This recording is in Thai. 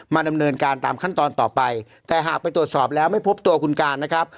ดำเนินการตามขั้นตอนต่อไปแต่หากไปตรวจสอบแล้วไม่พบตัวคุณการนะครับ